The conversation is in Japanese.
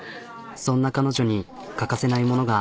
そんな彼女に欠かせないものが。